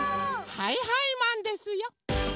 はいはいマンですよ！